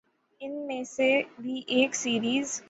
ان میں سے بھی ایک سیریز